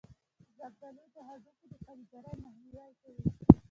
زردآلو د هډوکو د کمزورۍ مخنیوی کوي.